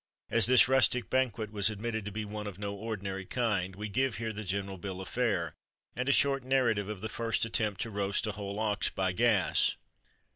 As this rustic banquet was admitted to be one of no ordinary kind we give here the general bill of fare, and a short narrative of the first attempt to roast a whole ox by gas.